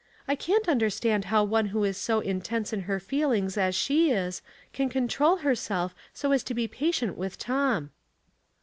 " I can't understand how one who is so intense in her feelings as she is can control Herself so as to be patient with Tom."